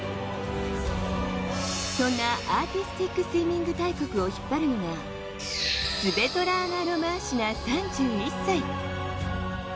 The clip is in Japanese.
そんなアーティスティックスイミング大国を引っ張るのはスベトラーナ・ロマーシナ、３２歳。